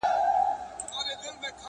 یو څه سیالي د زمانې ووینو!!